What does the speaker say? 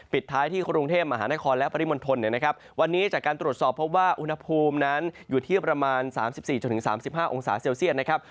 ท้ายที่กรุงเทพมหานครและปริมณฑลนะครับวันนี้จากการตรวจสอบพบว่าอุณหภูมินั้นอยู่ที่ประมาณ๓๔๓๕องศาเซลเซียตนะครับ